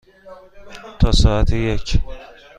تا ساعت یک.